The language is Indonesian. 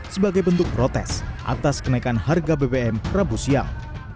sebagai bentuk protes atas kenaikan harga bbm rabu siang